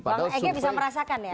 bang ege bisa merasakan ya